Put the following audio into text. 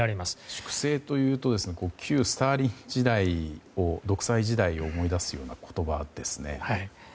粛清というと旧スターリン時代の独裁時代を思い出すような言葉ですね。